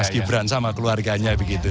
mas gibran sama keluarganya begitu